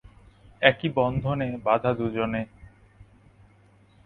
একি বন্ধনে বাঁধা দু’জনে!